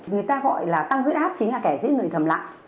người ta gọi là tăng huyết áp chính là kẻ giết người thầm lặng